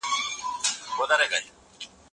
موږ د سياست په اړه نوي نظرونه اورو.